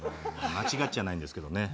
間違っちゃないんですけどね